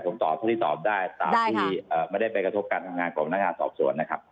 ผมตอบผู้ที่ตอบได้ตามที่ไม่ได้ไปกระทบการทำงานของพนักงานสอบสวนนะครับ